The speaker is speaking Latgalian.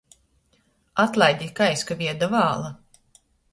Atlaidit, ka aizkavieju da vāla!